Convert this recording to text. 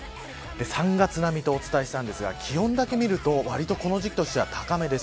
３月並みとお伝えしたんですが気温だけ見ると、わりとこの時期としては高めです。